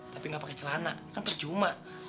tapi nggak pakai celana kan percuma